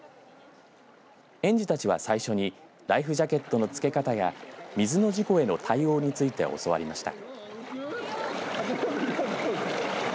園児たちは最初にライフジャケットの付け方や水の事故への対応について教わりました。